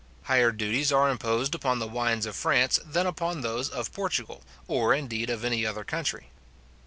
Higher duties are imposed upon the wines of France than upon those of Portugal, or indeed of any other country.